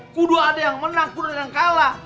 kudu ada yang menang kudu ada yang kalah